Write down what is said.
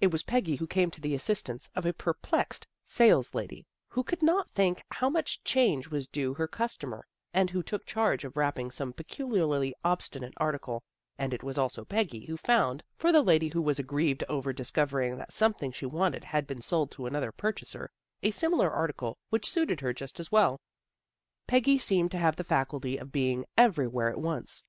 It was Peggy who came to the assistance of a perplexed " saleslady " who could not think how much change was due her customer, and who took charge of wrapping some peculiarly obstinate article, and it was also Peggy who found, for the lady who was aggrieved over dis covering that something she wanted had been sold to another purchaser, a similar article which suited her just as well. Peggy seemed to have the faculty of being every where at once.